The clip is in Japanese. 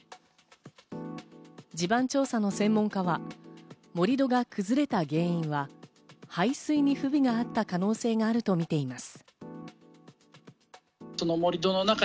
地盤調査の専門家は盛り土が崩れた原因は排水に不備があった可能性があるとみています。